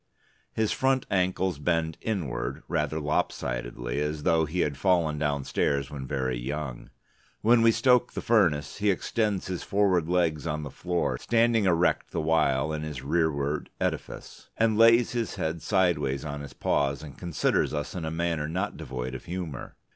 His front ankles bend inward rather lopsidedly, as though he had fallen downstairs when very young. When we stoke the furnace, he extends his forward legs on the floor (standing erect the while in his rearward edifice) and lays his head sideways on his paws, and considers us in a manner not devoid of humour.